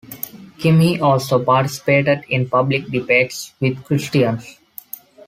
Kimhi also participated in public debates with Christians.